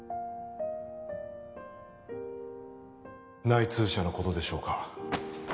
内通者のことでしょうか